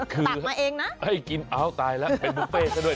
คือตักมาเองน่ะให้กินอ้าวตายแล้วเป็นบุฟเฟต์ใช่ไหม